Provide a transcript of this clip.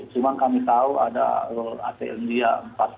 cuma kami tahu ada atm dia empat